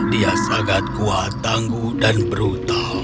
dia sangat kuat tangguh dan brutal